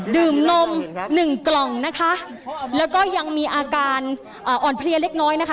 นมหนึ่งกล่องนะคะแล้วก็ยังมีอาการอ่อนเพลียเล็กน้อยนะคะ